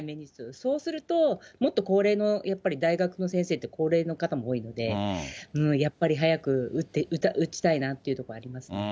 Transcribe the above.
そうすると、もっと高齢のやっぱり大学の先生って、高齢の方も多いので、やっぱり早く打ちたいなってところありますね。